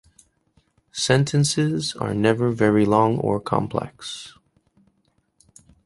Sentences are never very long or complex.